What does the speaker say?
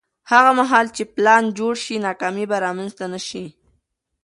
هغه مهال چې پلان جوړ شي، ناکامي به رامنځته نه شي.